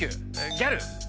ギャル。